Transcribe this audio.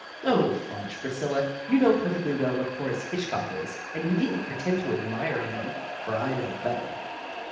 "Oh, fudge, Priscilla, you know perfectly well what Horace Hitchcock is, and you needn't pretend to admire him, for I know better."